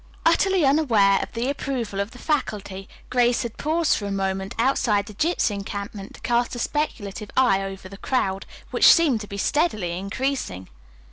Utterly unaware of the approval of the faculty, Grace had paused for a moment outside the gypsy encampment to cast a speculative eye over the crowd, which seemed to be steadily increasing.